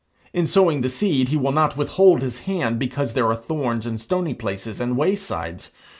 In sowing the seed he will not withhold his hand because there are thorns and stony places and waysides.